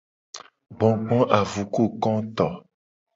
Gbogboavukukoto.